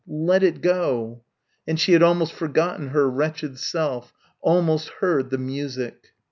Let it go!" And she had almost forgotten her wretched self, almost heard the music....